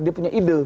dia punya ide